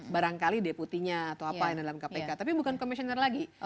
barangkali deputinya atau apa yang dalam kpk tapi bukan komisioner lagi